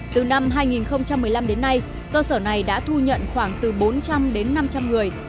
từ năm hai nghìn một mươi năm đến nay cơ sở này đã thu nhận khoảng từ bốn trăm linh đến năm trăm linh người